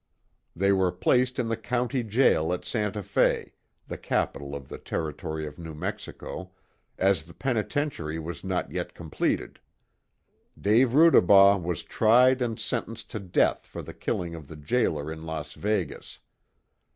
They were placed in the County jail at Santa Fe, the capital of the Territory of New Mexico, as the penitentiary was not yet completed. Dave Rudebaugh was tried and sentenced to death for the killing of the jailer in Las Vegas.